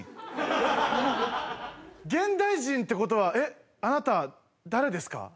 現代人って事はえっあなたは誰ですか？